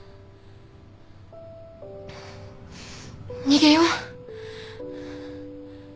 逃げよう。